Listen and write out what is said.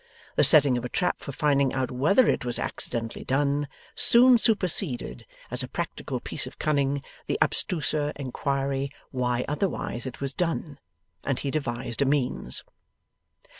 The setting of a trap for finding out whether it was accidentally done, soon superseded, as a practical piece of cunning, the abstruser inquiry why otherwise it was done. And he devised a means.